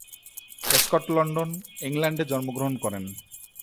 Scott London, ইংল্যান্ডে জন্মগ্রহণ করেন।